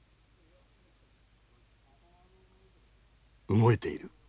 動いている。